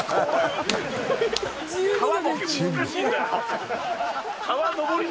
川ボケ難しいんだよ。